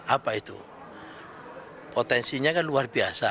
apa itu potensinya kan luar biasa